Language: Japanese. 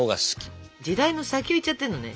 時代の先をいっちゃってるのね。